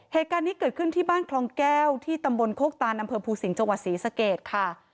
เหตุการณ์นี้เกิดขึ้นที่บ้านคลองแก้วที่ตำบลโคกตานอำเภอภูสิงห์จังหวัดศรีสเกตค่ะ